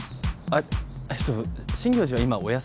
あっ。